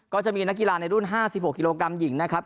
ก็จะมีนักกีฬาในรุ่น๕๖กิโลกรัมหญิงนะครับ